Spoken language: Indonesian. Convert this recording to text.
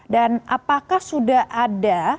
dan apakah sudah ada